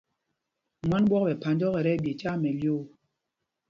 Mwân ɓwɔ̄k ɓɛ̌ phānj ɔ́kɛ, ɛ tí ɛɓye tyaa mɛlyoo.